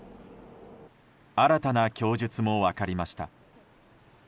新たな供述も分かりました。